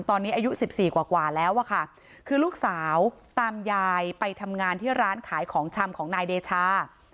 ตอนนี้อายุ๑๔กว่าแล้วอะค่ะคือลูกสาวตามยายไปทำงานที่ร้านขายของชำของนายเดชา